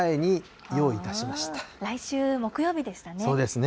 来週木曜日でしたね。